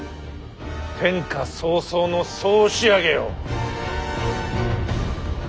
天下草創の総仕上げよ。